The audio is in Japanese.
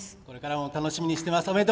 これからも楽しみにしてます。